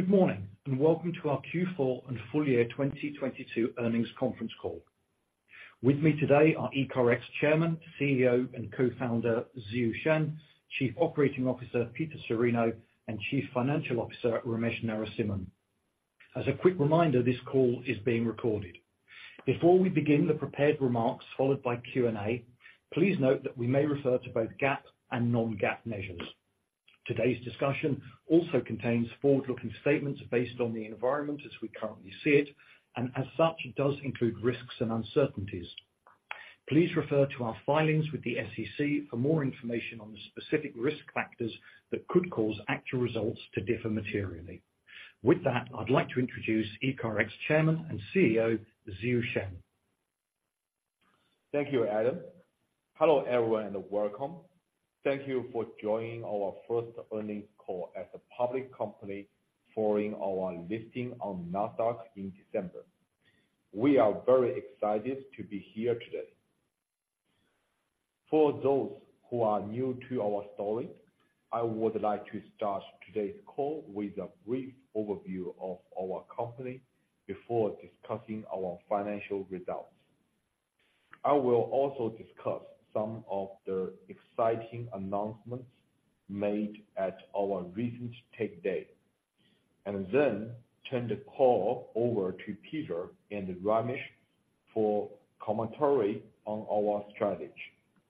Good morning, welcome to our Q4 and full year 2022 earnings conference call. With me today are ECARX Chairman, CEO, and Co-founder Ziyu Shen, Chief Operating Officer Peter Cirino, and Chief Financial Officer Ramesh Narasimhan. As a quick reminder, this call is being recorded. Before we begin the prepared remarks followed by Q&A, please note that we may refer to both GAAP and non-GAAP measures. Today's discussion also contains forward-looking statements based on the environment as we currently see it, as such, it does include risks and uncertainties. Please refer to our filings with the SEC for more information on the specific risk factors that could cause actual results to differ materially. With that, I'd like to introduce ECARX Chairman and CEO, Ziyu Shen. Thank you, Adam. Hello, everyone, and welcome. Thank you for joining our first earnings call as a public company following our listing on Nasdaq in December. We are very excited to be here today. For those who are new to our story, I would like to start today's call with a brief overview of our company before discussing our financial results. I will also discuss some of the exciting announcements made at our recent Tech Day, and then turn the call over to Peter and Ramesh for commentary on our strategy,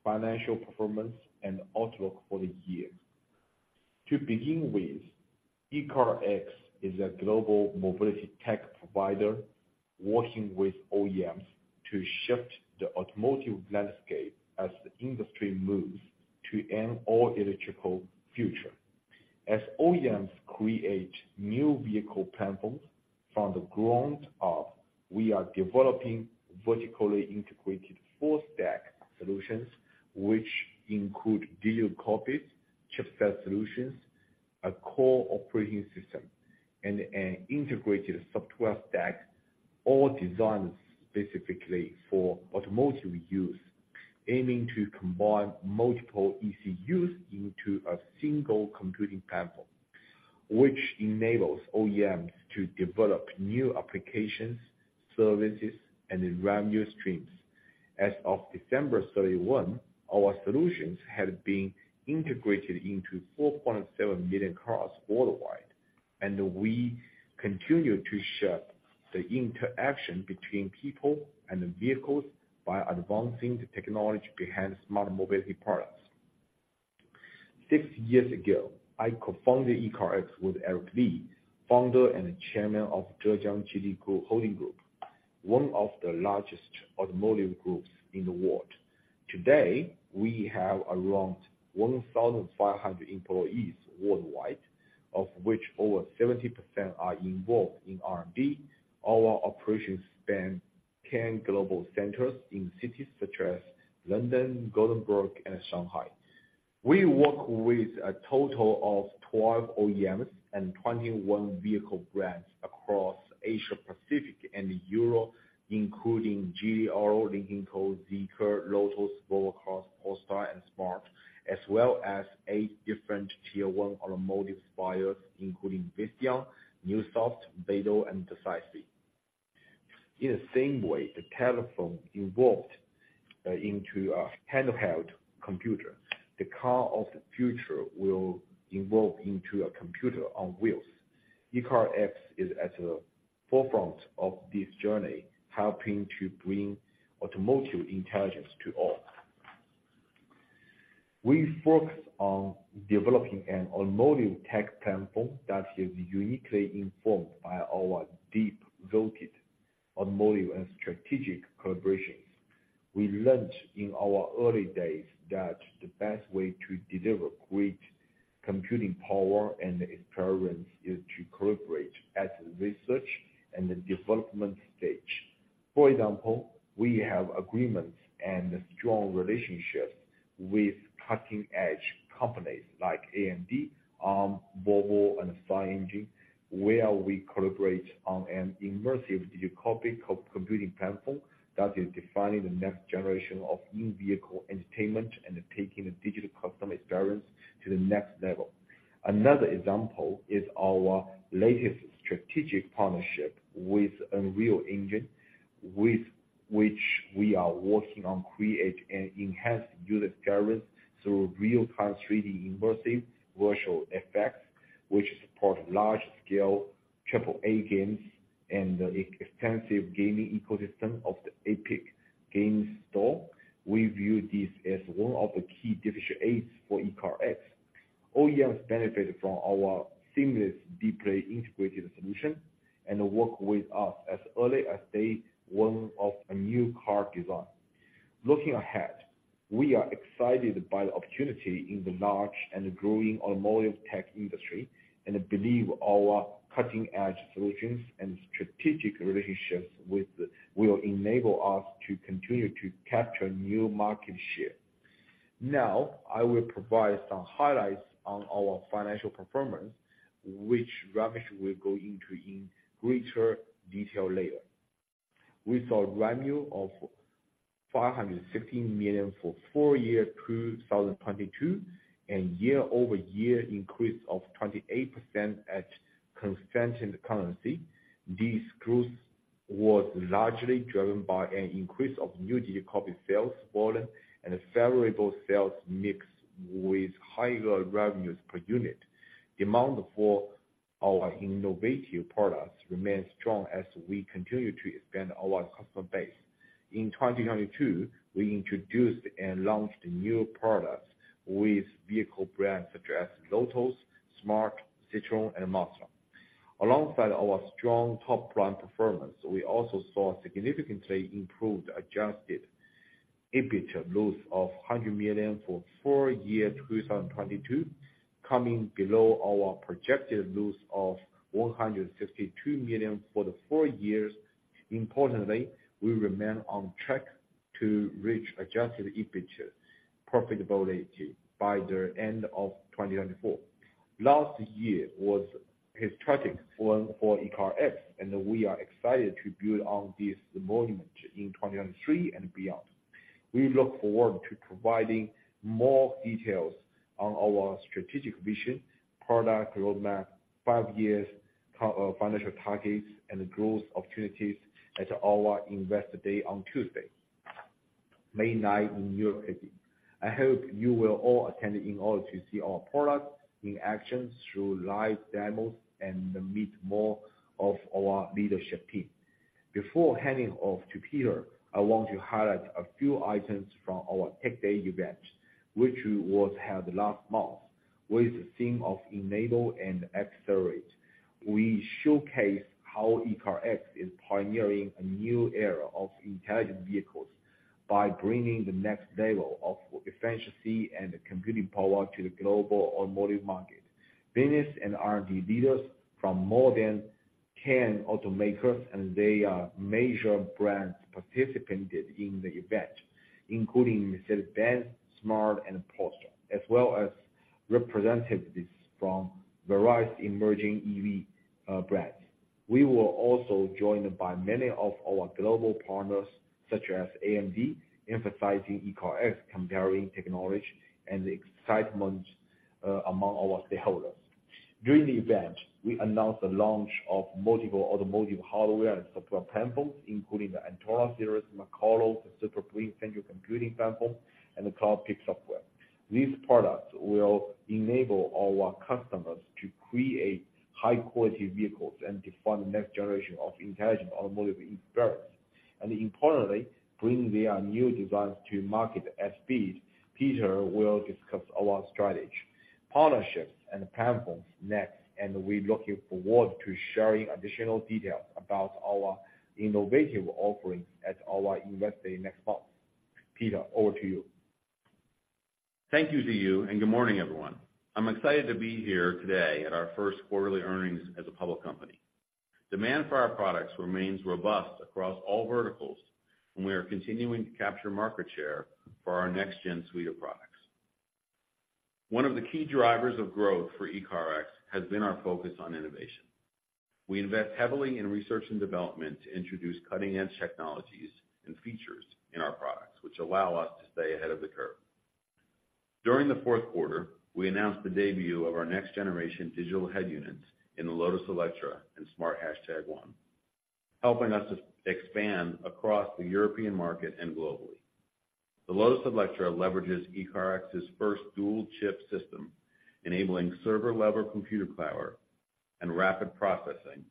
financial performance, and outlook for the year. To begin with, ECARX is a global mobility tech provider working with OEMs to shift the automotive landscape as the industry moves to an all-electrical future. As OEMs create new vehicle platforms from the ground up, we are developing vertically integrated full-stack solutions which include digital cockpits, chipset solutions, a core operating system, and an integrated software stack, all designed specifically for automotive use, aiming to combine multiple ECUs into a single computing platform, which enables OEMs to develop new applications, services, and revenue streams. As of December 31, our solutions had been integrated into 4.7 million cars worldwide, we continue to shape the interaction between people and vehicles by advancing the technology behind smart mobility products. Six years ago, I co-founded ECARX with Eric Li, founder and Chairman of Zhejiang Geely Holding Group, one of the largest automotive groups in the world. Today, we have around 1,500 employees worldwide, of which over 70% are involved in R&D. Our operations span 10 global centers in cities such as London, Gothenburg, and Shanghai. We work with a total of 12 OEMs and 21 vehicle brands across Asia-Pacific and Europe, including Geely Auto, Lynk & Co, Zeekr, Lotus, Volvo Cars, Polestar, and Smart, as well as 8 different Tier 1 automotive suppliers, including Visteon, Neusoft, Beidou, and Desay SV. In the same way the telephone evolved into a handheld computer, the car of the future will evolve into a computer on wheels. ECARX is at the forefront of this journey, helping to bring automotive intelligence to all. We focus on developing an automotive tech platform that is uniquely informed by our deep-rooted automotive and strategic collaborations. We learned in our early days that the best way to deliver great computing power and experience is to collaborate at the research and the development stage. For example, we have agreements and strong relationships with cutting-edge companies like AMD, Arm, Volvo, and SiEngine, where we collaborate on an immersive digital copy co-computing platform that is defining the next generation of in-vehicle entertainment and taking the digital customer experience to the next level. Another example is our latest strategic partnership with Unreal Engine, with which we are working on create an enhanced user experience through real-time, 3D immersive virtual effects, which support large-scale triple A games and the extensive gaming ecosystem of the Epic Games Store. We view this as one of the key differentiator aids for ECARX. OEMs benefit from our seamless, deeply integrated solution and work with us as early as day 1 of a new car design. Looking ahead, we are excited by the opportunity in the large and growing automotive tech industry and believe our cutting-edge solutions and strategic relationships will enable us to continue to capture new market share. Now, I will provide some highlights on our financial performance, which Ramesh will go into in greater detail later. We saw revenue of $560 million for full year 2022, a year-over-year increase of 28% at constant currency. This growth was largely driven by an increase of new digital cockpit sales volume and a favorable sales mix with higher revenues per unit. Demand for our innovative products remains strong as we continue to expand our customer base. In 2022, we introduced and launched new products with vehicle brands such as Lotus, Smart, Citroën, and Mazda. Alongside our strong top line performance, we also saw significantly improved Adjusted EBITDA loss of $100 million for full year 2022, coming below our projected loss of $162 million for the full years. Importantly, we remain on track to reach Adjusted EBITDA profitability by the end of 2024. Last year was historic one for ECARX, and we are excited to build on this momentum in 2023 and beyond. We look forward to providing more details on our strategic vision, product roadmap, five-years financial targets and growth opportunities at our investor day on Tuesday, May 9 in Europe. I hope you will all attend in order to see our product in action through live demos and meet more of our leadership team. Before handing off to Peter, I want to highlight a few items from our Tech Day event, which was held last month. With the theme of Enable and Accelerate, we showcased how ECARX is pioneering a new era of intelligent vehicles by bringing the next level of efficiency and computing power to the global automotive market. Business and R&D leaders from more than 10 automakers and their major brands participated in the event, including Mercedes-Benz, Smart, and Porsche, as well as representatives from various emerging EV brands. We were also joined by many of our global partners, such as AMD, emphasizing ECARX comparing technology and the excitement among our stakeholders. During the event, we announced the launch of multiple automotive hardware and software platforms, including the Antora Series, Makalu, the SuperBrain central computing platform, and the Cloudpeak software. These products will enable our customers to create high quality vehicles and define the next generation of intelligent automotive experience, and importantly, bring their new designs to market at speed. Peter will discuss our strategy, partnerships, and platforms next, and we're looking forward to sharing additional details about our innovative offerings at our Investor Day next month. Peter, over to you. Thank you, Ziyu, and good morning, everyone. I'm excited to be here today at our first quarterly earnings as a public company. Demand for our products remains robust across all verticals, and we are continuing to capture market share for our next gen suite of products. One of the key drivers of growth for ECARX has been our focus on innovation. We invest heavily in research and development to introduce cutting-edge technologies and features in our products, which allow us to stay ahead of the curve. During the fourth quarter, we announced the debut of our next generation digital head units in the Lotus Eletre and Smart #1, helping us to expand across the European market and globally. The Lotus Eletre leverages ECARX's first dual chip system, enabling server-level computer power and rapid processing,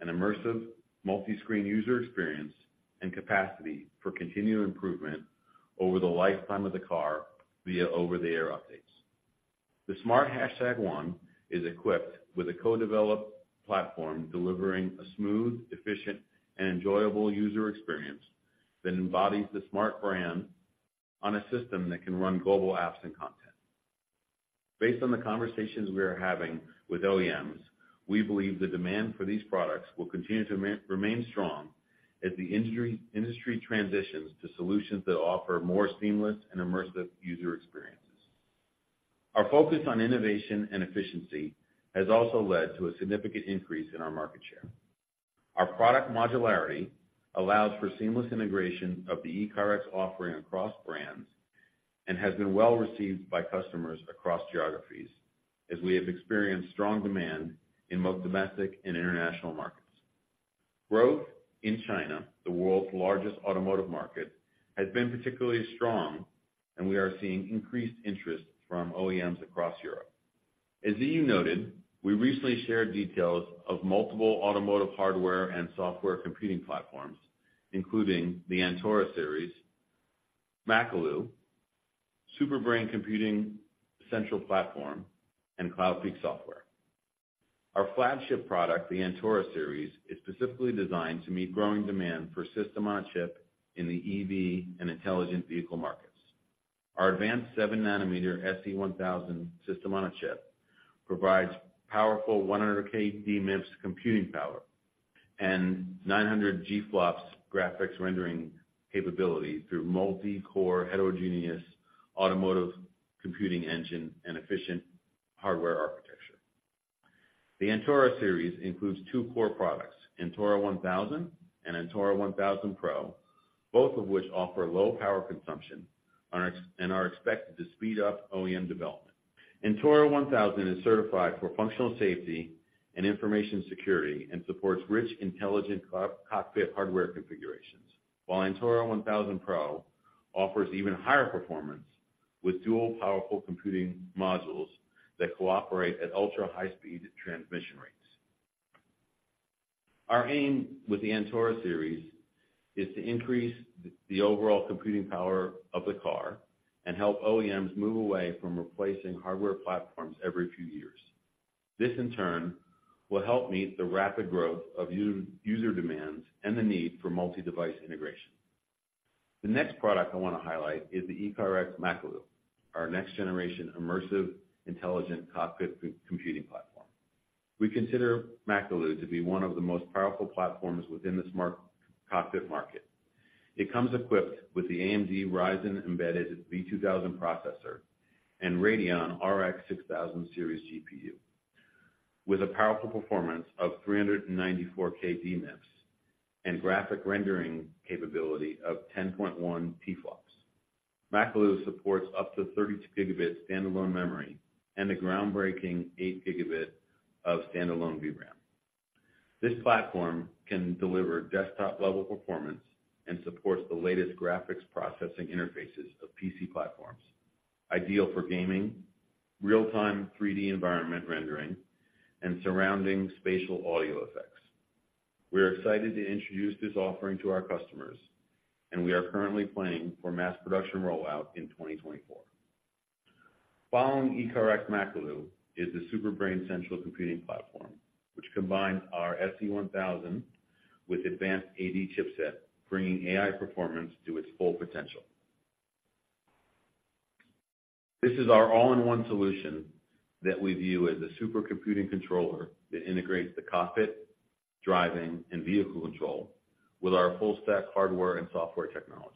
and immersive multi-screen user experience and capacity for continued improvement over the lifetime of the car via over-the-air updates. The Smart #1 is equipped with a co-developed platform delivering a smooth, efficient, and enjoyable user experience that embodies the Smart brand on a system that can run global apps and content. Based on the conversations we are having with OEMs, we believe the demand for these products will continue to remain strong as the industry transitions to solutions that offer more seamless and immersive user experiences. Our focus on innovation and efficiency has also led to a significant increase in our market share. Our product modularity allows for seamless integration of the ECARX offering across brands, and has been well received by customers across geographies, as we have experienced strong demand in both domestic and international markets. Growth in China, the world's largest automotive market, has been particularly strong, and we are seeing increased interest from OEMs across Europe. As Ziyu noted, we recently shared details of multiple automotive hardware and software computing platforms, including the Antora Series, Makalu, SuperBrain computing central platform, and Cloudpeak software. Our flagship product, the Antora Series, is specifically designed to meet growing demand for system-on-a-chip in the EV and intelligent vehicle markets. Our advanced 7nm SE1000 System-on-a-Chip provides powerful 100K DMIPS computing power and 900 GFLOPS graphics rendering capability through multi-core heterogeneous automotive computing engine and efficient hardware architecture. The Antora Series includes two core products, Antora 1000 and Antora 1000 Pro, both of which offer low power consumption and are expected to speed up OEM development. Antora 1000 is certified for functional safety and information security and supports rich, intelligent cockpit hardware configurations. While Antora 1000 Pro offers even higher performance with dual powerful computing modules that cooperate at ultra-high speed transmission rates. Our aim with the Antora Series is to increase the overall computing power of the car and help OEMs move away from replacing hardware platforms every few years. This, in turn, will help meet the rapid growth of user demands and the need for multi-device integration. The next product I wanna highlight is the ECARX Makalu, our next-generation immersive, intelligent cockpit computing platform. We consider Makalu to be one of the most powerful platforms within the smart cockpit market. It comes equipped with the AMD Ryzen Embedded V2000 processor and Radeon RX 6000 Series GPU. With a powerful performance of 394 K DMIPS and graphic rendering capability of 10.1 TFLOPS. Makalu supports up to 32 gigabit standalone memory and a groundbreaking 8 gigabit of standalone VRAM. This platform can deliver desktop-level performance and supports the latest graphics processing interfaces of PC platforms, ideal for gaming, real-time 3D environment rendering, and surrounding spatial audio effects. We are excited to introduce this offering to our customers. We are currently planning for mass production rollout in 2024. Following ECARX Makalu is the SuperBrain central computing platform, which combines our SE1000 with advanced AD chipset, bringing AI performance to its full potential. This is our all-in-one solution that we view as a supercomputing controller that integrates the cockpit, driving, and vehicle control with our full stack hardware and software technologies.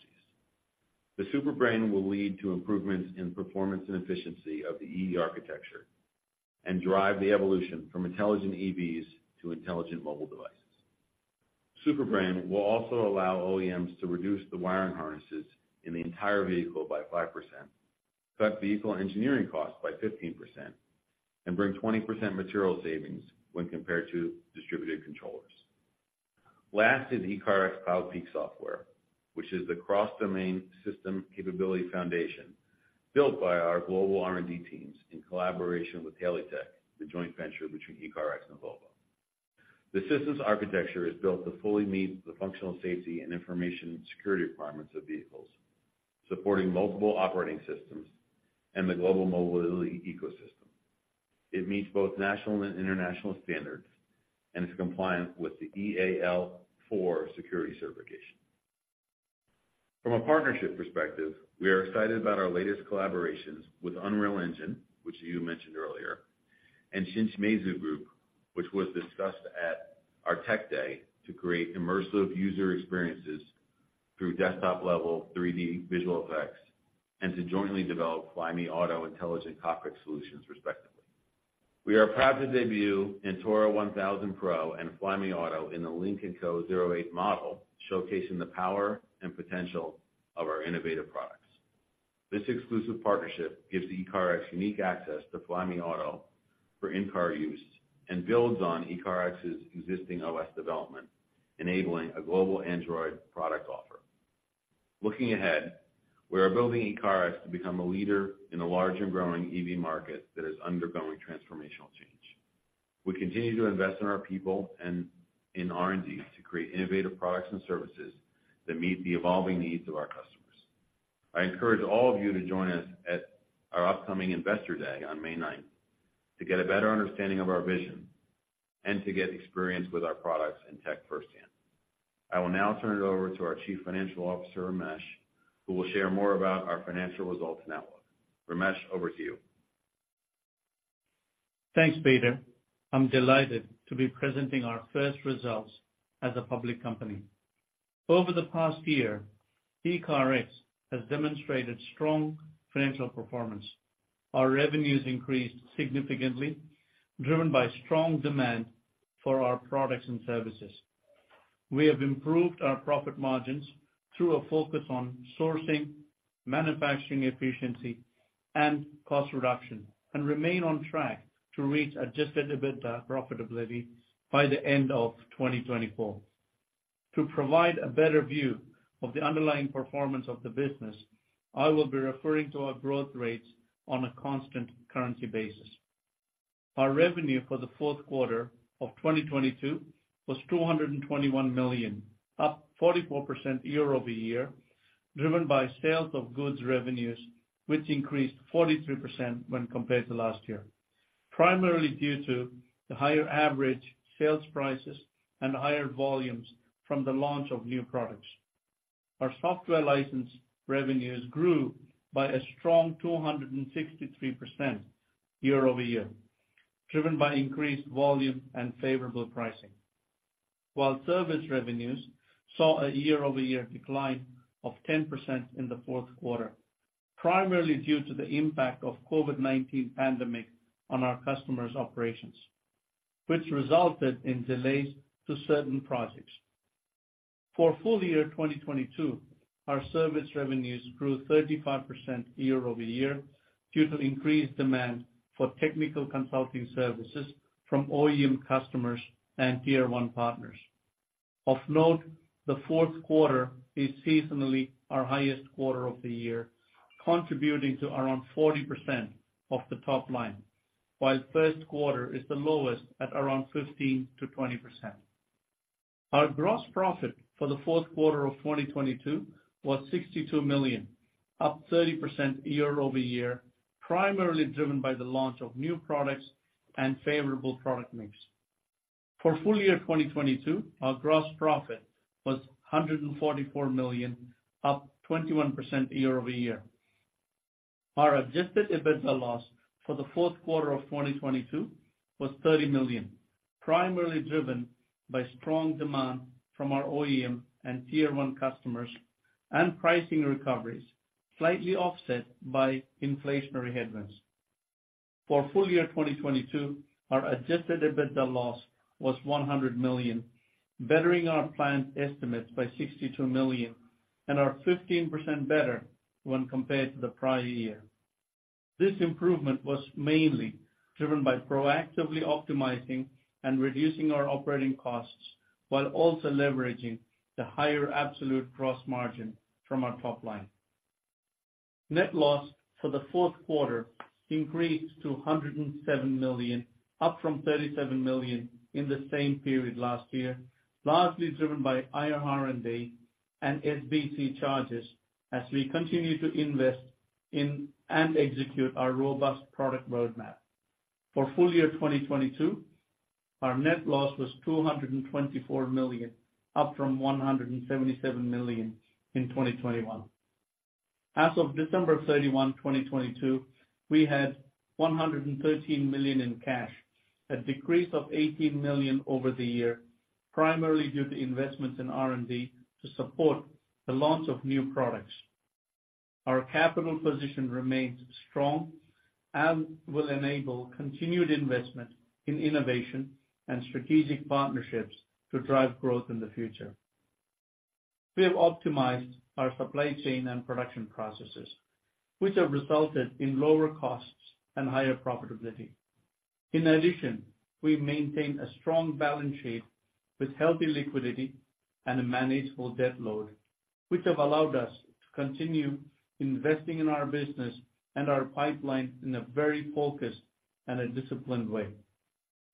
The SuperBrain will lead to improvements in performance and efficiency of the EV architecture and drive the evolution from intelligent EVs to intelligent mobile devices. SuperBrain will also allow OEMs to reduce the wiring harnesses in the entire vehicle by 5%, cut vehicle engineering costs by 15%, and bring 20% material savings when compared to distributed controllers. Last is ECARX Cloudpeak software, which is the cross-domain system capability foundation built by our global R&D teams in collaboration with HALEYTEK, the joint venture between ECARX and Volvo. The systems architecture is built to fully meet the functional safety and information security requirements of vehicles, supporting multiple operating systems and the global mobility ecosystem. It meets both national and international standards and is compliant with the EAL4 security certification. From a partnership perspective, we are excited about our latest collaborations with Unreal Engine, which you mentioned earlier, and Xingji Meizu Group, which was discussed at our Tech Day to create immersive user experiences through desktop-level 3D visual effects, and to jointly develop Flyme Auto intelligent cockpit solutions respectively. We are proud to debut Antora 1000 Pro and Flyme Auto in the Lynk & Co 08 model, showcasing the power and potential of our innovative products. This exclusive partnership gives ECARX unique access to Flyme Auto for in-car use and builds on ECARX's existing OS development, enabling a global Android product offer. Looking ahead, we are building ECARX to become a leader in a large and growing EV market that is undergoing transformational change. We continue to invest in our people and in R&D to create innovative products and services that meet the evolving needs of our customers. I encourage all of you to join us at our upcoming Investor Day on May ninth to get a better understanding of our vision and to get experience with our products and tech firsthand. I will now turn it over to our Chief Financial Officer, Ramesh, who will share more about our financial results and outlook. Ramesh, over to you. Thanks, Peter. I'm delighted to be presenting our first results as a public company. Over the past year, ECARX has demonstrated strong financial performance. Our revenues increased significantly, driven by strong demand for our products and services. We have improved our profit margins through a focus on sourcing, manufacturing efficiency, and cost reduction, and remain on track to reach Adjusted EBITDA profitability by the end of 2024. To provide a better view of the underlying performance of the business, I will be referring to our growth rates on a constant currency basis. Our revenue for the fourth quarter of 2022 was $221 million, up 44% year-over-year, driven by sales of goods revenues, which increased 43% when compared to last year, primarily due to the higher average sales prices and higher volumes from the launch of new products. Our software license revenues grew by a strong 263% year-over-year, driven by increased volume and favorable pricing. While service revenues saw a year-over-year decline of 10% in the fourth quarter, primarily due to the impact of COVID-19 pandemic on our customers' operations, which resulted in delays to certain projects. For full year 2022, our service revenues grew 35% year-over-year due to increased demand for technical consulting services from OEM customers and Tier one partners. Of note, the fourth quarter is seasonally our highest quarter of the year, contributing to around 40% of the top line, while first quarter is the lowest at around 15-20%. Our gross profit for the fourth quarter of 2022 was $62 million, up 30% year-over-year, primarily driven by the launch of new products and favorable product mix. For full year 2022, our gross profit was $144 million, up 21% year-over-year. Our Adjusted EBITDA loss for the fourth quarter of 2022 was $30 million, primarily driven by strong demand from our OEM and Tier 1 customers and pricing recoveries, slightly offset by inflationary headwinds. For full year 2022, our Adjusted EBITDA loss was $100 million, bettering our planned estimates by $62 million and 15% better when compared to the prior year. This improvement was mainly driven by proactively optimizing and reducing our operating costs while also leveraging the higher absolute gross margin from our top line. Net loss for the fourth quarter increased to $107 million, up from $37 million in the same period last year, largely driven by higher R&D and SBC charges as we continue to invest in and execute our robust product roadmap. For full year 2022, our net loss was $224 million, up from $177 million in 2021. As of December 31, 2022, we had $113 million in cash, a decrease of $18 million over the year, primarily due to investments in R&D to support the launch of new products. Our capital position remains strong and will enable continued investment in innovation and strategic partnerships to drive growth in the future. We have optimized our supply chain and production processes, which have resulted in lower costs and higher profitability. We maintain a strong balance sheet with healthy liquidity and a manageable debt load, which have allowed us to continue investing in our business and our pipeline in a very focused and a disciplined way.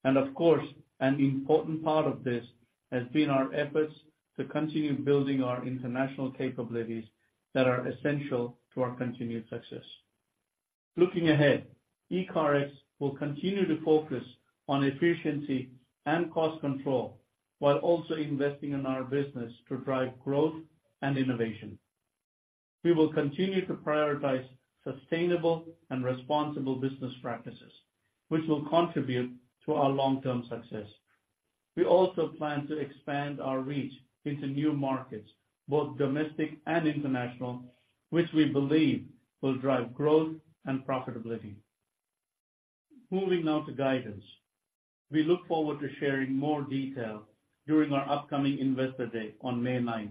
Of course, an important part of this has been our efforts to continue building our international capabilities that are essential to our continued success. Looking ahead, ECARX will continue to focus on efficiency and cost control while also investing in our business to drive growth and innovation. We will continue to prioritize sustainable and responsible business practices, which will contribute to our long-term success. We also plan to expand our reach into new markets, both domestic and international, which we believe will drive growth and profitability. Moving now to guidance. We look forward to sharing more detail during our upcoming Investor Day on May 9th,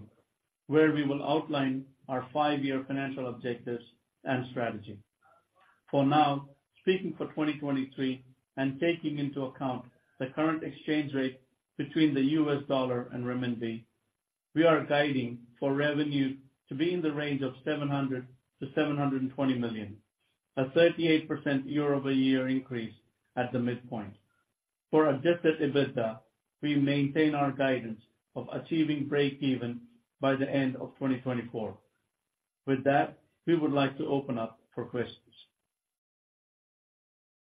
where we will outline our five-year financial objectives and strategy. For now, speaking for 2023 and taking into account the current exchange rate between the US dollar and renminbi, we are guiding for revenue to be in the range of $700 million-720 million, a 38% year-over-year increase at the midpoint. For Adjusted EBITDA, we maintain our guidance of achieving breakeven by the end of 2024. With that, we would like to open up for questions.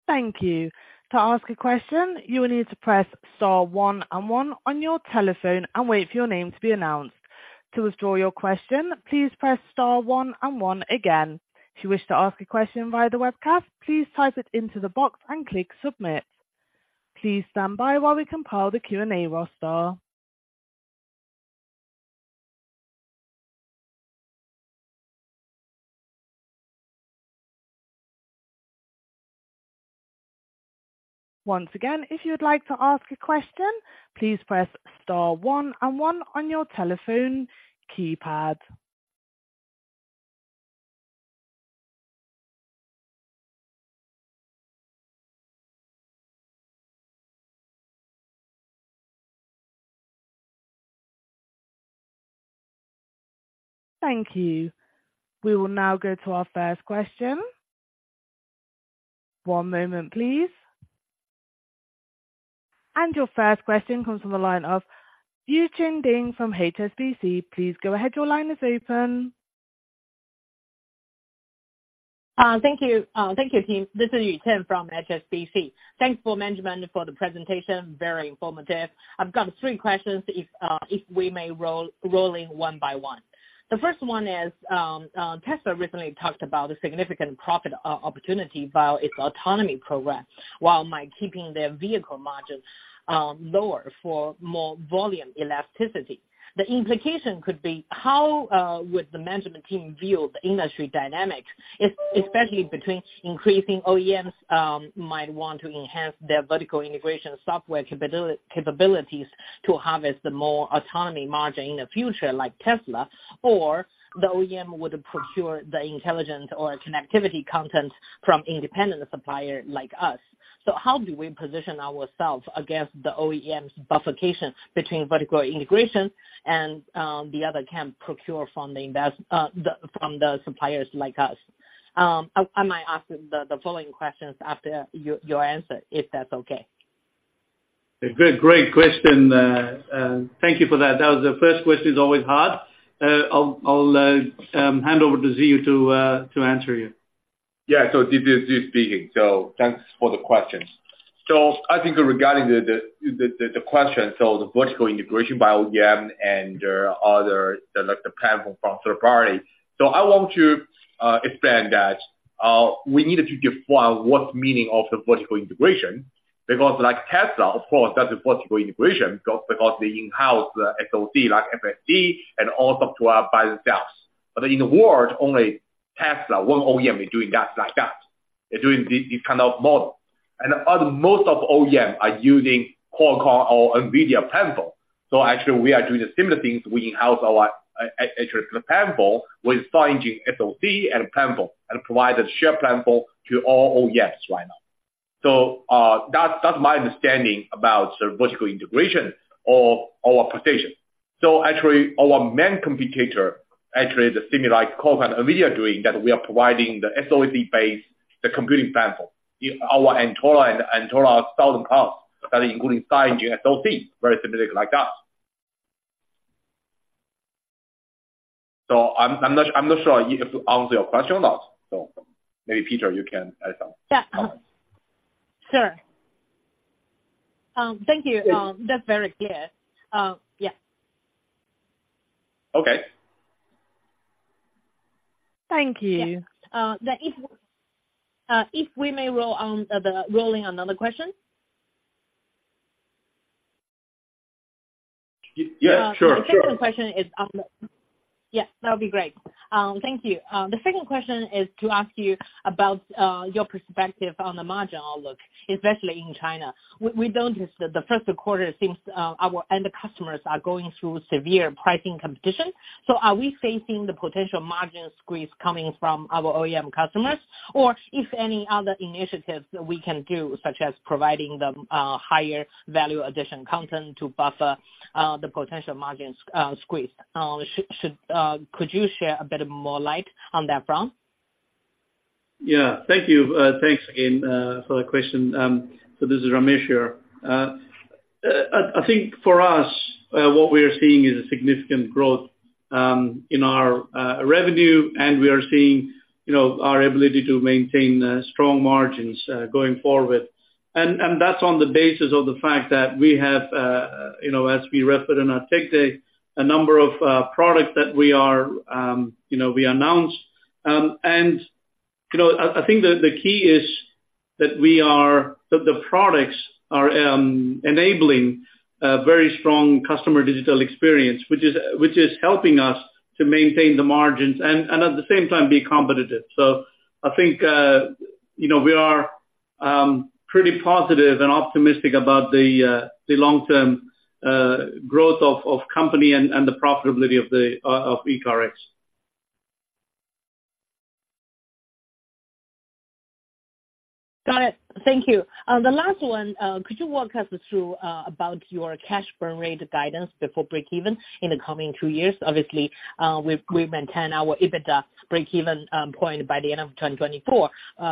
Thank you. To ask a question, you will need to press star one and one on your telephone and wait for your name to be announced. To withdraw your question, please press star one and one again. If you wish to ask a question via the webcast, please type it into the box and click submit. Please stand by while we compile the Q&A roster. Once again, if you would like to ask a question, please press star one and one on your telephone keypad. Thank you. We will now go to our first question. One moment, please. Your first question comes from the line of Yuqian Ding from HSBC. Please go ahead. Your line is open. Thank you. Thank you, team. This is Yu-Chien from HSBC. Thanks for management for the presentation. Very informative. I've got three questions if we may rolling one by one. The first one is, Tesla recently talked about a significant profit opportunity via its autonomy progress, while by keeping their vehicle margins lower for more volume elasticity. The implication could be how would the management team view the industry dynamics, especially between increasing OEMs might want to enhance their vertical integration software capabilities to harvest the more autonomy margin in the future like Tesla, or the OEM would procure the intelligent or connectivity content from independent supplier like us. How do we position ourselves against the OEM's bifurcation between vertical integration and the other can procure from the suppliers like us? I might ask the following questions after your answer, if that's okay. A great question. Thank you for that. That was the first question is always hard. I'll hand over to Ziyu Shen to answer you. This is Ziyu speaking. Thanks for the question. I think regarding the question, the vertical integration by OEM and there are other, like, the platform from third party. I want to explain that we needed to define what meaning of the vertical integration because like Tesla, of course, that's a vertical integration because they in-house the SoC like FSD and all software by themselves. But in the world, only Tesla, one OEM is doing that like that. They're doing this kind of model. Other most of OEM are using Qualcomm or NVIDIA platform. Actually we are doing the similar things. We in-house our entrance platform with SiEngine SoC and platform, and provide the shared platform to all OEMs right now. That's my understanding about the vertical integration of our position. Actually our main competitor, actually the similar like Qualcomm and NVIDIA are doing, that we are providing the SoC base, the computing platform. Our Antora and Antora 1000 core, that including SiEngine SoC, very similar like that. I'm not sure if answer your question or not. Maybe Peter, you can add some comments. Yeah. Sure. Thank you. That's very clear. Yeah. Okay. Thank you. Yeah. If, if we may roll in another question? Yeah, sure. Sure. The second question is, Yeah, that'll be great. Thank you. The second question is to ask you about your perspective on the margin outlook, especially in China. The first quarter seems our end customers are going through severe pricing competition. Are we facing the potential margin squeeze coming from our OEM customers? If any other initiatives that we can do, such as providing them higher value addition content to buffer the potential margin squeeze? Could you share a bit more light on that front? Yeah. Thank you. Thanks again for the question. This is Ramesh here. I think for us, what we are seeing is a significant growth in our revenue, and we are seeing, you know, our ability to maintain strong margins going forward. That's on the basis of the fact that we have, you know, as we referred in our tech day, a number of products that we announced. I think the key is that the products are enabling a very strong customer digital experience, which is helping us to maintain the margins and at the same time be competitive. I think, you know, we are pretty positive and optimistic about the long-term growth of company and the profitability of ECARX. Got it. Thank you. The last one, could you walk us through about your cash burn rate guidance before breakeven in the coming two years? Obviously, we've maintained our EBITDA breakeven point by the end of 2024.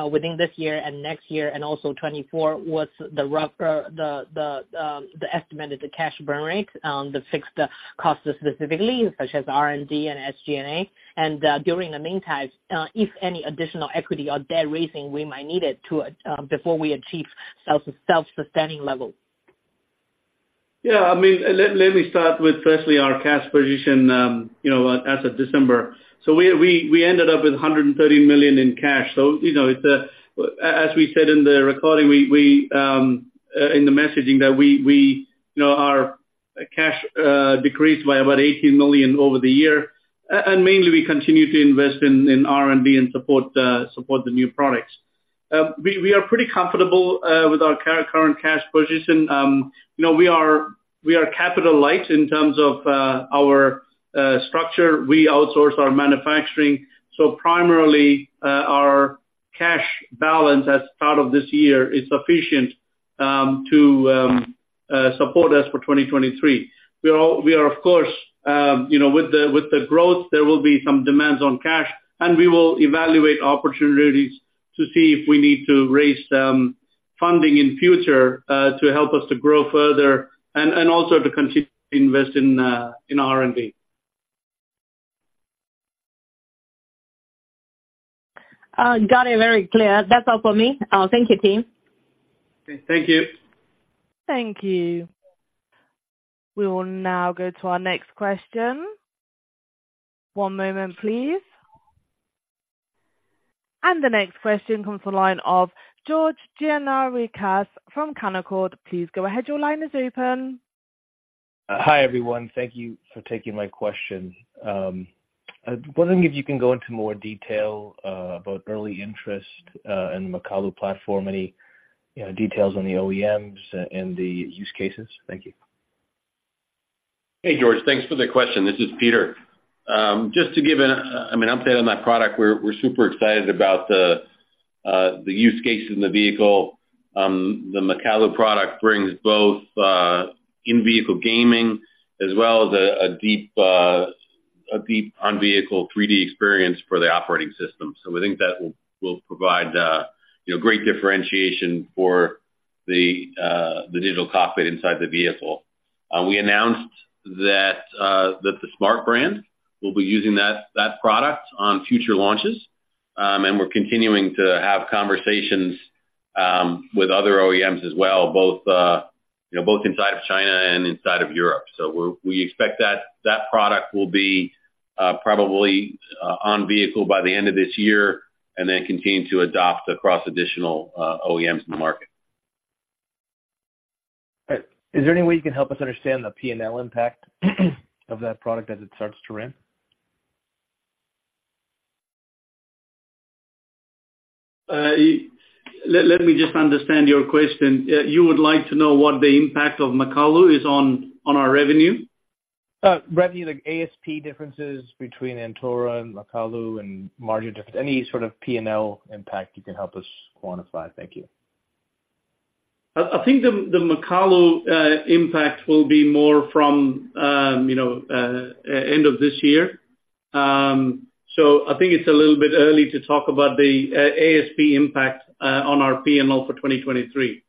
Within this year and next year and also 2024, what's the rough the estimate of the cash burn rate on the fixed costs specifically, such as R&D and SG&A? During the meantime, if any additional equity or debt raising we might need it to before we achieve self-sustaining level. Yeah. I mean, let me start with firstly our cash position, you know, as of December. We ended up with $130 million in cash. You know, it's as we said in the recording, in the messaging that we, you know, our cash decreased by about $18 million over the year. Mainly we continue to invest in R&D and support the new products. We are pretty comfortable with our current cash position. You know, we are capital light in terms of our structure. We outsource our manufacturing. Primarily, our cash balance as part of this year is sufficient to support us for 2023. We are of course, you know, with the growth, there will be some demands on cash, and we will evaluate opportunities to see if we need to raise some funding in future, to help us to grow further and also to continue to invest in R&D. Got it very clear. That's all for me. Thank you, team. Thank you. Thank you. We will now go to our next question. One moment please. The next question comes the line of George Gianarikas from Canaccord. Please go ahead. Your line is open. Hi, everyone. Thank you for taking my question. I was wondering if you can go into more detail about early interest in Makalu platform, any, you know, details on the OEMs and the use cases? Thank you. Hey, George. Thanks for the question. This is Peter. Just to give an, I mean, update on that product, we're super excited about the use case in the vehicle. The Makalu product brings both in-vehicle gaming as well as a deep on-vehicle 3D experience for the operating system. We think that will provide, you know, great differentiation for the digital cockpit inside the vehicle. We announced that the Smart brand will be using that product on future launches. We're continuing to have conversations with other OEMs as well, both, you know, both inside of China and inside of Europe. We expect that product will be probably on vehicle by the end of this year and then continue to adopt across additional OEMs in the market. All right. Is there any way you can help us understand the P&L impact of that product as it starts to ramp? Let me just understand your question. You would like to know what the impact of Makalu is on our revenue? Revenue, like ASP differences between Antora and Makalu. Any sort of P&L impact you can help us quantify. Thank you. I think the Makalu impact will be more from, you know, end of this year. I think it's a little bit early to talk about the ASP impact on our P&L for 2023.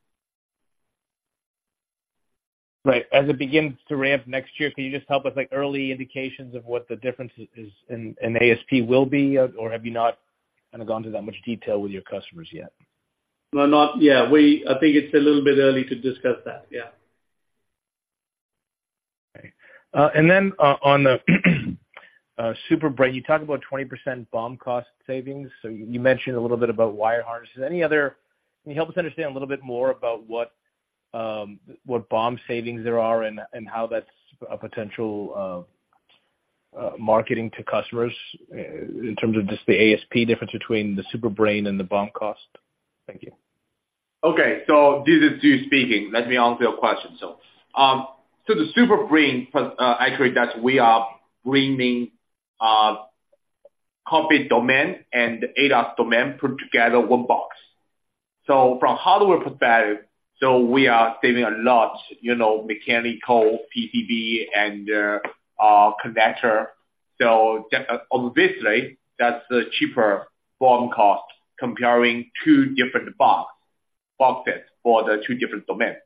Right. As it begins to ramp next year, can you just help with, like, early indications of what the difference is in ASP will be or have you not kind of gone to that much detail with your customers yet? No, not yet. I think it's a little bit early to discuss that. Yeah. Okay. On the SuperBrain, you talk about 20% BOM cost savings. You mentioned a little bit about wire harnesses. Any other... Can you help us understand a little bit more about what BOM savings there are and how that's a potential marketing to customers in terms of just the ASP difference between the SuperBrain and the BOM cost? Thank you. Okay. This is Ziyu speaking. Let me answer your question. The Super Brain, actually, that's we are bringing cockpit domain and ADAS domain put together 1 box. From hardware perspective, we are saving a lot, you know, mechanical, PCB and connector. Obviously that's the cheaper BOM cost comparing 2 different boxes for the 2 different domains.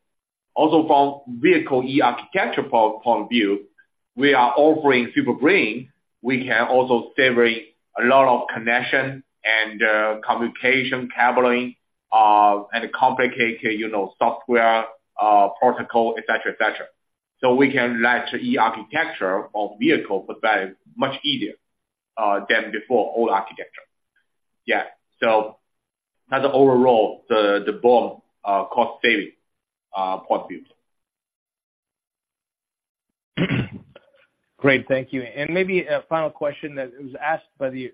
Also, from vehicle E/E architecture point of view, we are offering Super Brain. We can also saving a lot of connection and communication cabling and complicated, you know, software protocol, et cetera, et cetera. We can let E/E architecture of vehicle provide much easier than before old architecture. Yeah. That's the overall the BOM cost saving point of view. Great. Thank you. Maybe a final question that was asked by the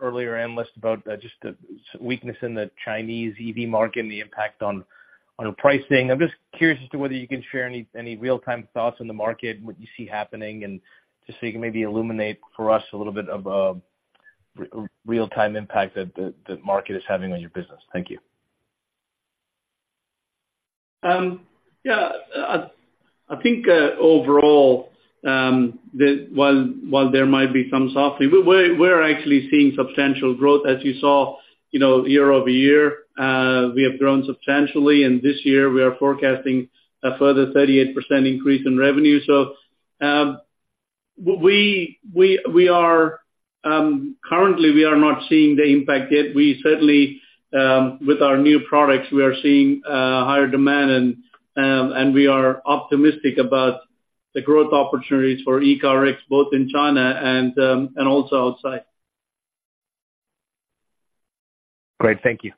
earlier analyst about just the weakness in the Chinese EV market and the impact on pricing. I'm just curious as to whether you can share any real-time thoughts on the market and what you see happening, and just so you can maybe illuminate for us a little bit of real-time impact that the market is having on your business. Thank you. Yeah. I think overall, While there might be some softening, we're actually seeing substantial growth. As you saw, you know, year-over-year, we have grown substantially, and this year we are forecasting a further 38% increase in revenue. Currently we are not seeing the impact yet. We certainly, with our new products, we are seeing higher demand and we are optimistic about the growth opportunities for ECARX both in China and also outside. Great. Thank you.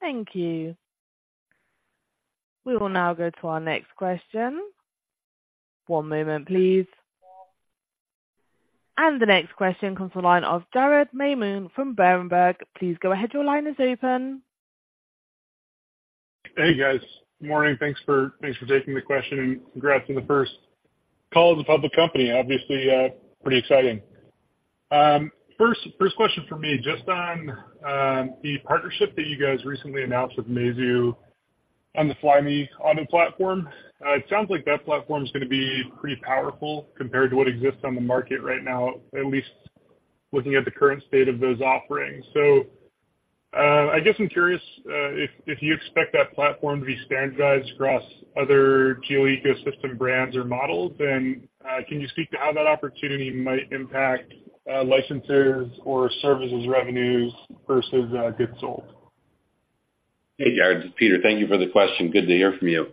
Thank you. We will now go to our next question. One moment please. The next question comes from the line of Jarett Majid from Berenberg. Please go ahead. Your line is open. Hey, guys. Morning. Thanks for taking the question, and congrats on the first call as a public company. Obviously, pretty exciting. First question from me, just on the partnership that you guys recently announced with Meizu on the Flyme Auto platform. It sounds like that platform's gonna be pretty powerful compared to what exists on the market right now, at least looking at the current state of those offerings. I guess I'm curious if you expect that platform to be standardized across other Geely ecosystem brands or models, and can you speak to how that opportunity might impact licenses or services revenues versus goods sold? Hey, Jarett, it's Peter. Thank you for the question. Good to hear from you.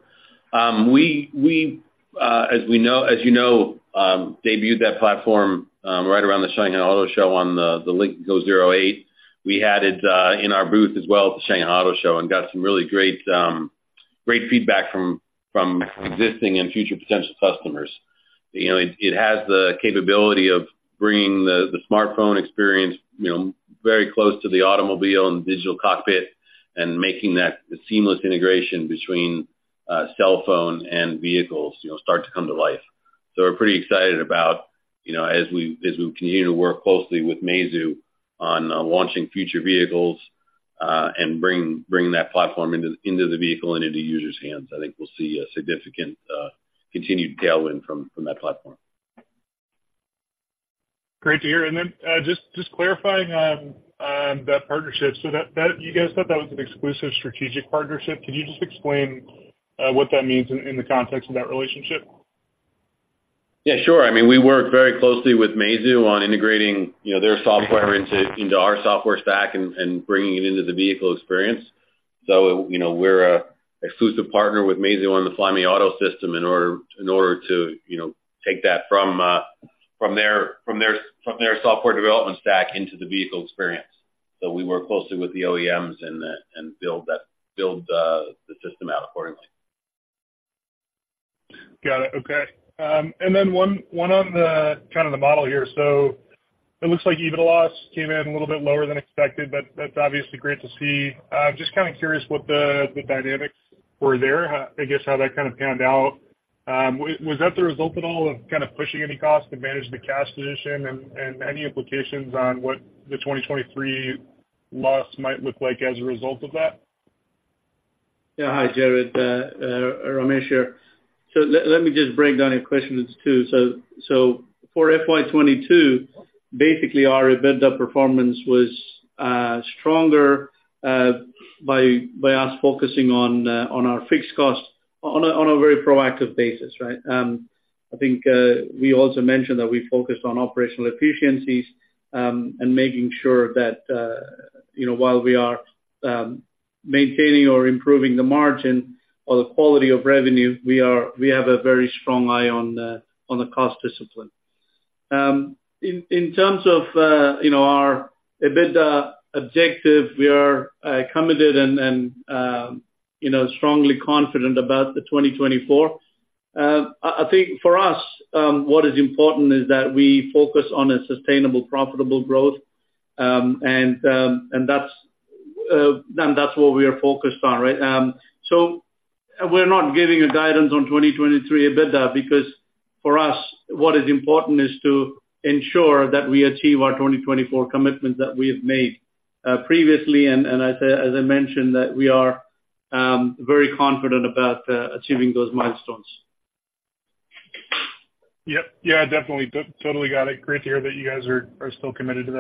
We, as you know, debuted that platform right around the Shanghai Auto Show on the Lynk & Co 08. We had it in our booth as well at the Shanghai Auto Show and got some really great feedback from existing and future potential customers. You know, it has the capability of bringing the smartphone experience, you know, very close to the automobile and digital cockpit and making that the seamless integration between cell phone and vehicles, you know, start to come to life. We're pretty excited about, you know, as we continue to work closely with Meizu on launching future vehicles and bring that platform into the vehicle and into users' hands. I think we'll see a significant continued tailwind from that platform. Great to hear. Just clarifying on that partnership. You guys said that was an exclusive strategic partnership. Can you just explain what that means in the context of that relationship? Yeah, sure. I mean, we work very closely with Meizu on integrating, you know, their software into our software stack and bringing it into the vehicle experience. You know, we're an exclusive partner with Meizu on the Flyme Auto system in order to, you know, take that from their software development stack into the vehicle experience. We work closely with the OEMs and build the system out accordingly. Got it. Okay. One, one on the kind of the model here. It looks like EBITDA loss came in a little bit lower than expected. That's obviously great to see. Just kinda curious what the dynamics were there. I guess how that kind of panned out. Was that the result at all of kind of pushing any cost to manage the cash position and any implications on what the 2023 loss might look like as a result of that? Yeah. Hi, Jared. Ramesh here. Let me just break down your questions too. For FY 22, basically our EBITDA performance was stronger by us focusing on our fixed cost on a very proactive basis, right? I think we also mentioned that we focused on operational efficiencies and making sure that, you know, while we are maintaining or improving the margin or the quality of revenue, we have a very strong eye on the cost discipline. In terms of, you know, our EBITDA objective, we are committed and, you know, strongly confident about the 2024. I think for us, what is important is that we focus on a sustainable, profitable growth. That's what we are focused on, right? We're not giving a guidance on 2023 EBITDA because for us, what is important is to ensure that we achieve our 2024 commitments that we have made, previously. As I mentioned, that we are very confident about achieving those milestones. Yep. Yeah, definitely. Totally got it. Great to hear that you guys are still committed to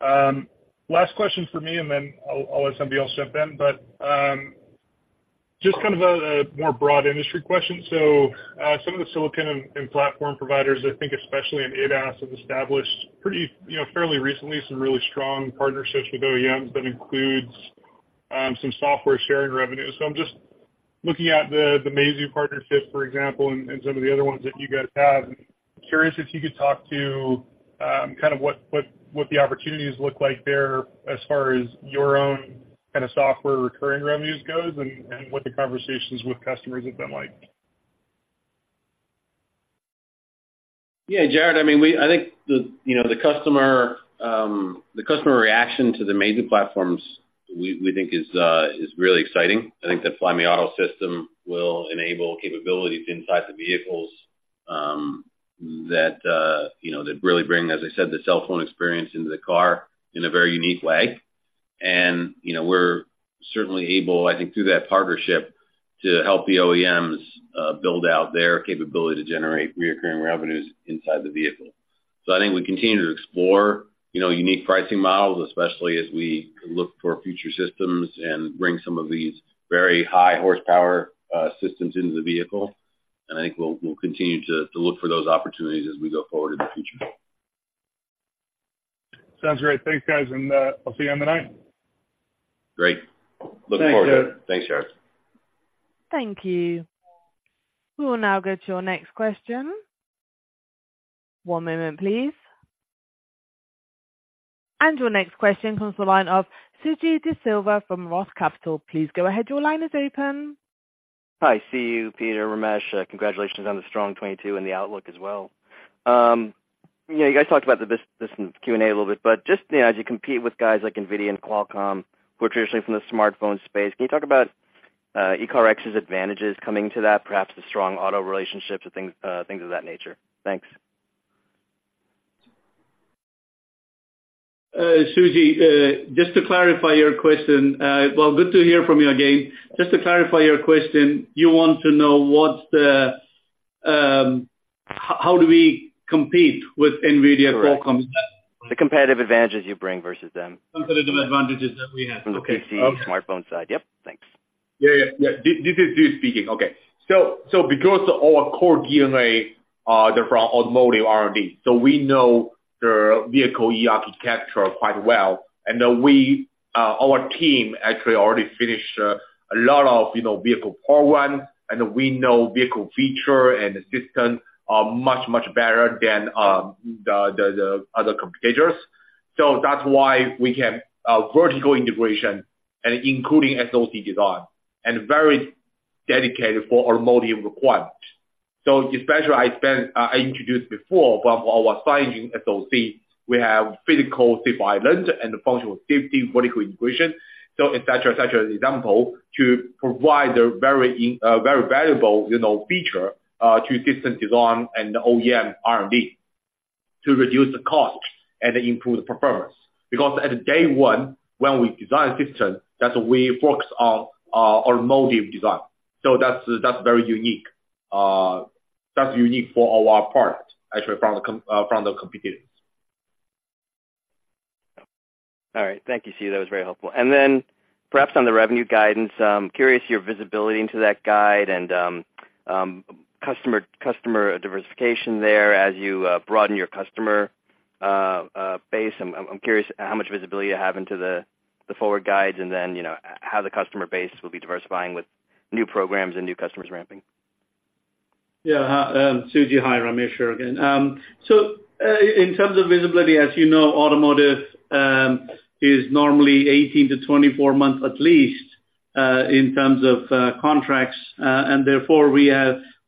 that. Last question for me, and then I'll let somebody else jump in. Just kind of a more broad industry question. Some of the silicon and platform providers, I think especially in ADAS, have established pretty, you know, fairly recently, some really strong partnerships with OEMs that includes some software sharing revenue. I'm just looking at the Meizu partnership, for example, and some of the other ones that you guys have. Curious if you could talk to kind of what the opportunities look like there as far as your own kind of software recurring revenues goes and what the conversations with customers have been like. Jared. I mean, I think the, you know, the customer, the customer reaction to the Meizu platforms, we think is really exciting. I think the Flyme Auto system will enable capabilities inside the vehicles that, you know, that really bring, as I said, the cell phone experience into the car in a very unique way. You know, we're certainly able, I think, through that partnership, to help the OEMs build out their capability to generate reoccurring revenues inside the vehicle. I think we continue to explore, you know, unique pricing models, especially as we look for future systems and bring some of these very high horsepower systems into the vehicle. I think we'll continue to look for those opportunities as we go forward in the future. Sounds great. Thanks, guys, and, I'll see you on the ninth. Great. Look forward to it. Thanks, Jared. Thanks, Jared. Thank you. We will now go to your next question. One moment, please. Your next question comes to the line of Suji Desilva from ROTH Capital. Please go ahead. Your line is open. Hi. Suji, Peter, Ramesh. Congratulations on the strong 2022 and the outlook as well. You know, you guys talked about this in Q&A a little bit, but just, you know, as you compete with guys like NVIDIA and Qualcomm, who are traditionally from the smartphone space, can you talk about ECARX's advantages coming to that, perhaps the strong auto relationships and things of that nature? Thanks. Suji, just to clarify your question. Well, good to hear from you again. Just to clarify your question, you want to know how do we compete with NVIDIA, Qualcomm? Correct. The competitive advantages you bring versus them. Competitive advantages that we have. From the PC smartphone side. Yep. Thanks. Yeah, yeah. Yeah. This is Ziyu speaking. Okay. Because our core DNA, they're from automotive R&D, we know the vehicle E/E architecture quite well. We, our team actually already finished a lot of, you know, vehicle program, and we know vehicle feature and system are much better than the other competitors. That's why we can vertical integration and including SoC design, and very dedicated for automotive requirements. Especially I introduced before from our SiEngine SoC, we have physical safety island and the functional safety vertical integration. Et cetera example to provide a very valuable, you know, feature to system design and OEM R&D to reduce the cost and improve the performance. At day one, when we design system, that we focus on automotive design. That's very unique. That's unique for our part, actually, from the competitors. All right. Thank you, Ziyu. That was very helpful. Perhaps on the revenue guidance, curious your visibility into that guide and customer diversification there as you broaden your customer base. I'm curious how much visibility you have into the forward guides and then, you know, how the customer base will be diversifying with new programs and new customers ramping. Yeah. Suji, hi, Ramesh here again. In terms of visibility, as you know, automotive is normally 18-24 months at least in terms of contracts. Therefore,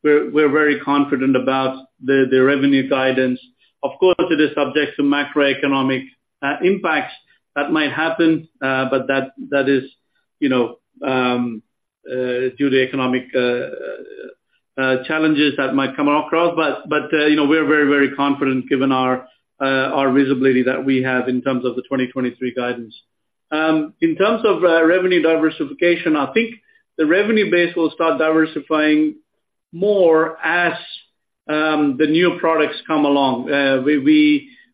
we're very confident about the revenue guidance. Of course, it is subject to macroeconomic impacts that might happen, but that is, you know, due to economic challenges that might come across. You know, we're very confident given our visibility that we have in terms of the 2023 guidance. In terms of revenue diversification, I think the revenue base will start diversifying more as the new products come along.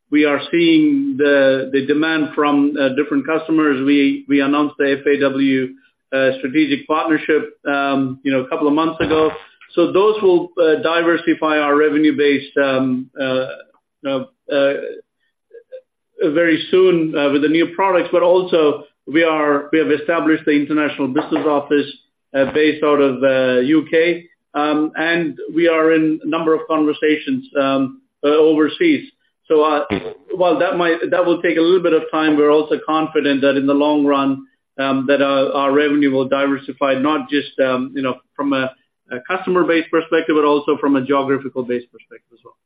We are seeing the demand from different customers. We announced the FAW strategic partnership, you know, a couple of months ago. Those will diversify our revenue base very soon with the new products. We have established the international business office based out of UK. We are in a number of conversations overseas. While that will take a little bit of time, we're also confident that in the long run, that our revenue will diversify, not just, you know, from a customer base perspective, but also from a geographical base perspective as well.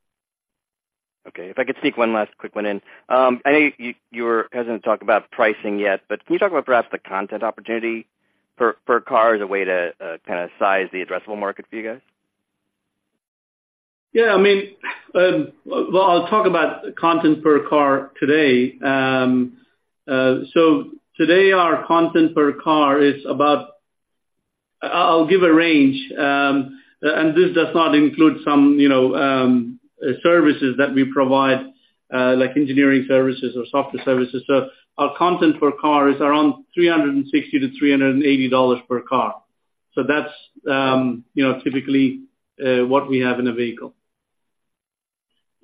Okay. If I could sneak one last quick one in. I know you were hesitant to talk about pricing yet. Can you talk about perhaps the content opportunity per car as a way to kind of size the addressable market for you guys? I mean, well, I'll talk about content per car today. Today our content per car is about. I'll give a range. This does not include some, you know, services that we provide, like engineering services or software services. Our content per car is around $360-380 per car. That's, you know, typically, what we have in a vehicle.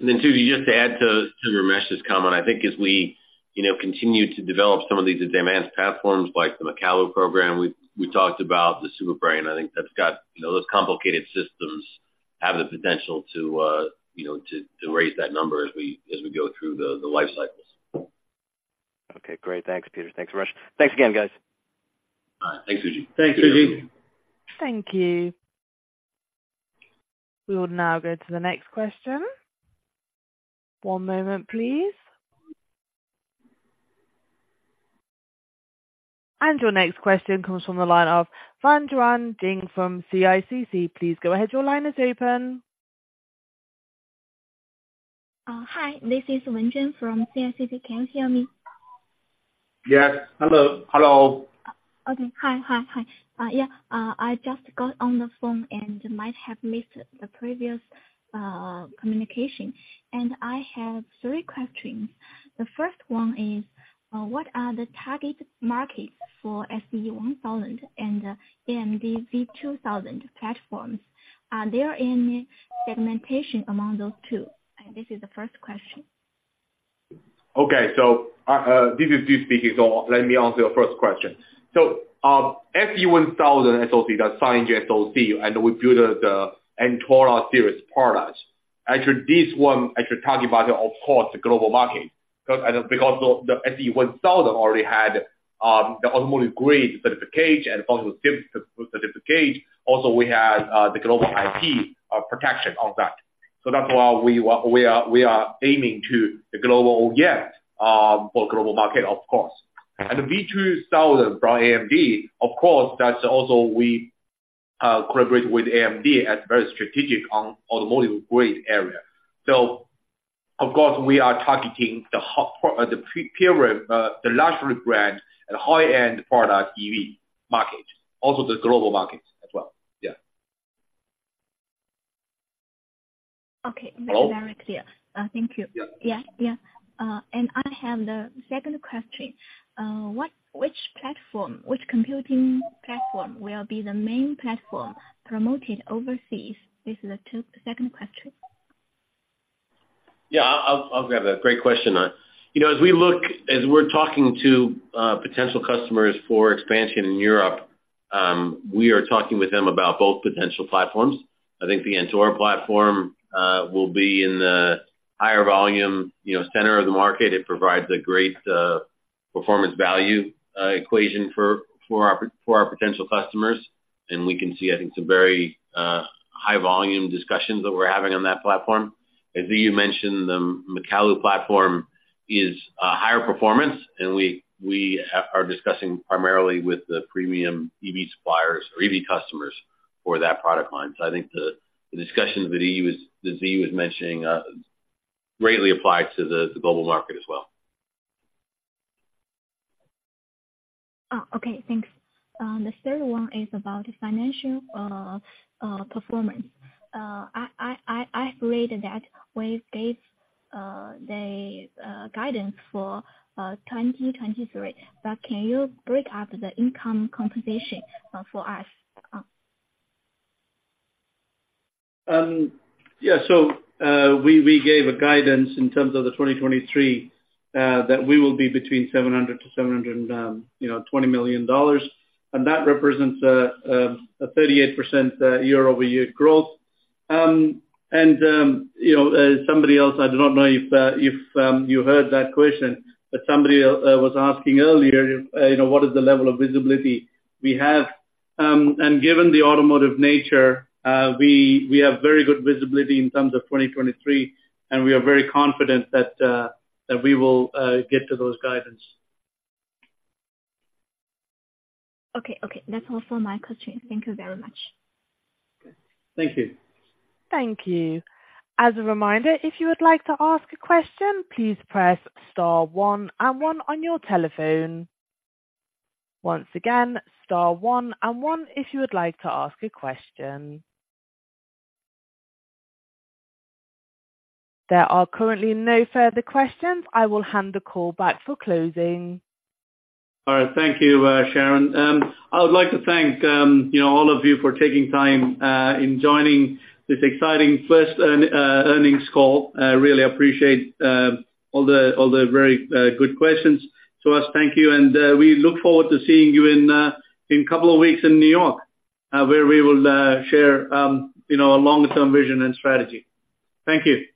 Suji, just to add to Ramesh's comment, I think as we, you know, continue to develop some of these advanced platforms like the Makalu program, we talked about the SuperBrain, I think that's got, you know, those complicated systems have the potential to, you know, to raise that number as we go through the life cycles. Okay, great. Thanks, Peter. Thanks, Ramesh. Thanks again, guys. All right. Thanks, Suji. Thanks, Suji. See you. Thank you. We will now go to the next question. One moment please. Your next question comes from the line of Wenzhen Ding from CICC. Please go ahead. Your line is open. Hi, this is Wenzhen from CICC. Can you hear me? Yes. Hello. Hello. Okay. Hi. Hi. Hi. Yeah, I just got on the phone and might have missed the previous communication. I have three questions. The first one is, what are the target markets for SE1000 and AMD V2000 platforms? Are there any segmentation among those two? This is the first question. Okay. This is Ziyu speaking, so let me answer your first question. SE1000 SoC, that's SiEngine SoC, and we do the Antora Series products. Actually, this one actually talking about, of course, the global market. Because the SE1000 already had the automotive-grade certification and functional safety certificate. Also, we have the global IP protection on that. That's why we are aiming to the global, yes, for global market, of course. V2000 from AMD, of course, that's also we collaborate with AMD at very strategic on automotive-grade area. Of course, we are targeting the pre-premium, the luxury brand and high-end product EV market, also the global market as well. Yeah. Okay. Hello? Make very clear. Thank you. Yeah. Yeah, yeah. I have the second question. Which platform, which computing platform will be the main platform promoted overseas? This is the second question. Yeah. I'll grab that. Great question. You know, as we're talking to potential customers for expansion in Europe, we are talking with them about both potential platforms. I think the Antora platform will be in the higher volume, you know, center of the market. It provides a great performance value equation for our potential customers. We can see, I think, some very high volume discussions that we're having on that platform. As Ziyu mentioned, Makalu platform is higher performance, and we are discussing primarily with the premium EV suppliers or EV customers for that product line. I think the discussions that Ziyu was mentioning greatly applies to the global market as well. Oh, okay, thanks. The third one is about financial performance. I agreed that Wave gave the guidance for 2023, but can you break up the income compensation for us? Yeah. We gave a guidance in terms of 2023, that we will be between $700 million-720 million, and that represents a 38% year-over-year growth. You know, somebody else, I do not know if you heard that question, but somebody was asking earlier, you know, what is the level of visibility we have. Given the automotive nature, we have very good visibility in terms of 2023, and we are very confident that we will get to those guidance. Okay. That's all for my questions. Thank you very much. Thank you. Thank you. As a reminder, if you would like to ask a question, please press star one and one on your telephone. Once again, star one and one if you would like to ask a question. There are currently no further questions. I will hand the call back for closing. All right. Thank you, Sharon. I would like to thank, you know, all of you for taking time, in joining this exciting first earnings call. I really appreciate all the very good questions to us. Thank you. We look forward to seeing you in a couple of weeks in New York, where we will share, you know, our long-term vision and strategy. Thank you.